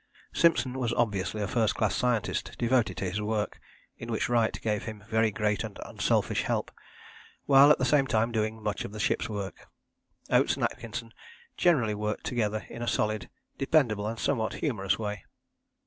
Simpson was obviously a first class scientist, devoted to his work, in which Wright gave him very great and unselfish help, while at the same time doing much of the ship's work. Oates and Atkinson generally worked together in a solid, dependable and somewhat humorous way.